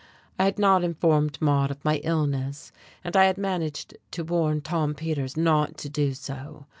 I had not informed Maude of my illness, and I had managed to warn Tom Peters not to do so.